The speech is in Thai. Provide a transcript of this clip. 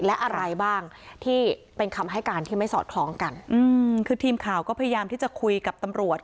และอะไรบ้างที่เป็นคำให้การที่ไม่สอดคล้องกันอืมคือทีมข่าวก็พยายามที่จะคุยกับตำรวจ